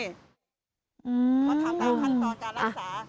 พอถามตามขั้นตอนการรักษา